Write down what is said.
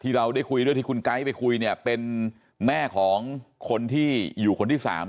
เราได้คุยด้วยที่คุณไก๊ไปคุยเนี่ยเป็นแม่ของคนที่อยู่คนที่๓